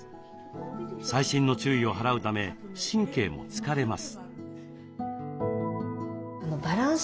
細心の注意を払うため神経も疲れます。